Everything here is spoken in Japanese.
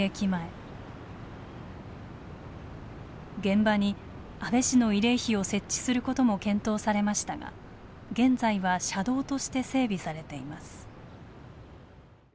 現場に安倍氏の慰霊碑を設置することも検討されましたが現在は車道として整備されています。